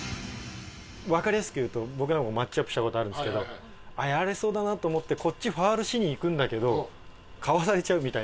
わかりやすく言うと僕らもマッチアップした事あるんですけどやられそうだなと思ってこっちファウルしにいくんだけどかわされちゃうみたいな。